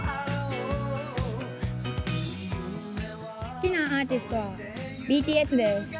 好きなアーティストはＢＴＳです。